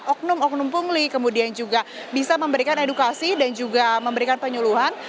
oknum oknum pungli kemudian juga bisa memberikan edukasi dan juga memberikan penyuluhan